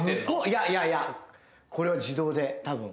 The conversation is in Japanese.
いやいやいやこれは自動でたぶん。